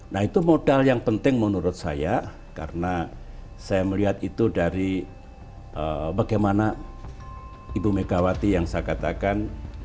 nah itu modal yang penting menurut saya karena saya melihat itu dari bagaimana ibu megawati yang saya katakan